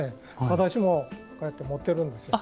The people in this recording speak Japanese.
私もこうやって持ってるんですよ。